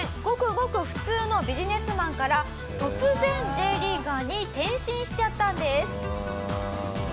ごくごく普通のビジネスマンから突然Ｊリーガーに転身しちゃったんです。